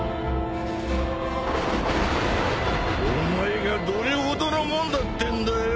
お前がどれほどのもんだってんだよ。